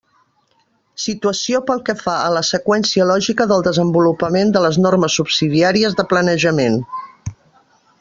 Situació pel que fa a la seqüència lògica del desenvolupament de les normes subsidiàries de planejament.